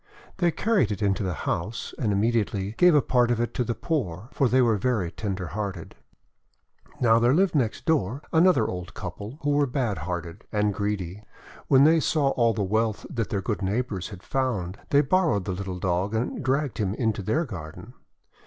They carried it into the house, and immediately gave a part of it to the poor, for they were very tender hearted . Now, there lived next door another old couple, who were bad hearted and greedy. When they saw all the wealth that their good neighbours had found, they borrowed the little Dog, and dragged him into their garden.